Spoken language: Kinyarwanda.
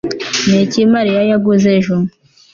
ni iki mariya yaguze ejo